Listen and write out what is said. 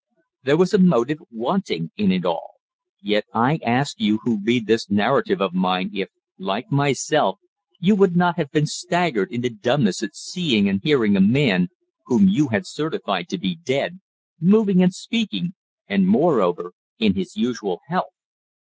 There was a motive wanting in it all. Yet I ask you who read this narrative of mine if, like myself, you would not have been staggered into dumbness at seeing and hearing a man whom you had certified to be dead, moving and speaking, and, moreover, in his usual health?